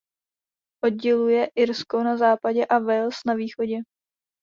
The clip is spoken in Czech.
Odděluje Irsko na západě a Wales na východě.